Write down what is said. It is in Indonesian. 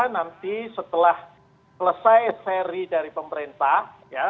nanti setelah selesai seri dari pemerintah